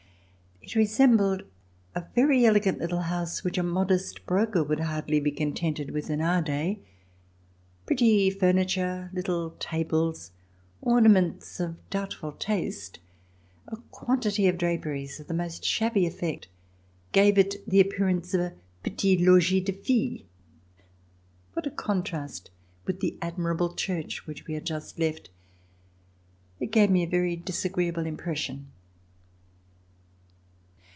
It resembled a very elegant little house, which a modest broker would hardly be contented with in our day. Pretty furniture, little tables, orna ments of doubtful taste, a quantity of draperies of the most shabby effect, gave it the appearance of a petit logis de fille. What a contrast with the admirable Church which we had just left! It gave me a very disagreeable impression.